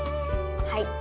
はい。